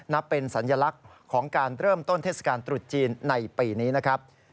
นับเป็นสัญลักษณ์ของการเริ่มต้นเทศกาลตรุษจีนในปีนี้นะครับ